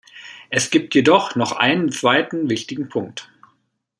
Es gibt jedoch noch einen zweiten wichtigen Punkt.